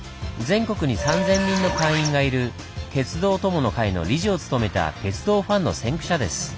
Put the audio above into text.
全国に３０００人の会員がいる「鉄道友の会」の理事を務めた鉄道ファンの先駆者です。